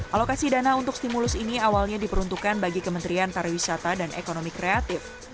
alokasi dana untuk stimulus ini awalnya diperuntukkan bagi kementerian pariwisata dan ekonomi kreatif